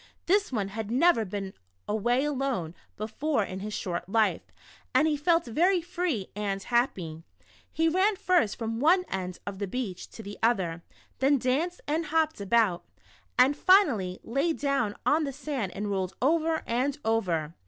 This one had never been away alone betbre in his short life, and he felt ver} free and happy. He ran first from one end of the beach to the other, then danced and hopped about, and finally lay down on the sand and rolled over and over.